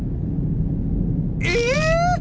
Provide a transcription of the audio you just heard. え！